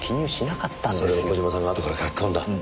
それを小島さんがあとから書き込んだ。